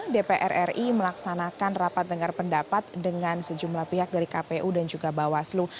dpr ri melaksanakan rapat dengar pendapat dengan sejumlah pihak dari kpu dan juga bawaslu